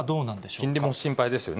金利も心配ですよね。